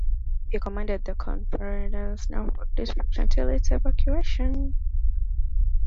He commanded the Confederate's Norfolk district until its evacuation.